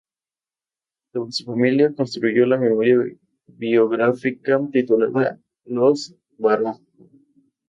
Sobre su familia construyó la memoria biográfica titulada "Los Baroja".